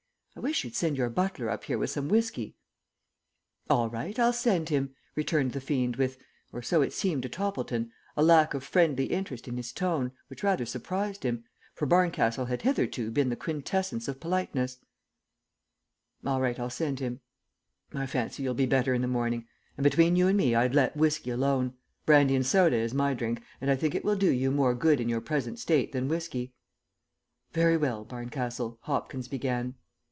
I wish you'd send your butler up here with some whiskey." "All right, I'll send him," returned the fiend with, or so it seemed to Toppleton, a lack of friendly interest in his tone which rather surprised him, for Barncastle had hitherto been the quintessence of politeness. "I fancy you'll be better in the morning; and between you and me I'd let whiskey alone. Brandy and soda is my drink, and I think it will do you more good in your present state than whiskey." "Very well, Barncastle," Hopkins began.